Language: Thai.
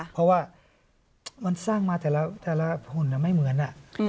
เพราะว่ามันสร้างมาแต่ละหุ่นไม่เหมือน